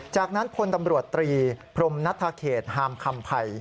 จากนั้นพลตำรวจตรีพรมนัฐเขตฮามคำภัย